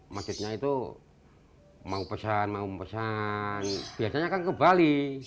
masjidnya itu mau pesan mau mempesan biasanya kan ke bali